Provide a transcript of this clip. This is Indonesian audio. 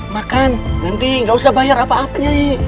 makan nanti gak usah bayar apa apa nyai